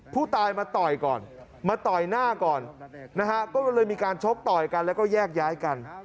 ผู้ตายมาต่อยก่อนมาต่อยหน้าก่อนนะฮะก็เลยมีการชกต่อยกันแล้วก็แยกย้ายกัน